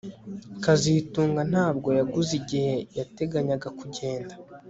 kazitunga ntabwo yavuze igihe yateganyaga kugenda